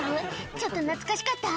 ちょっと懐かしかった？」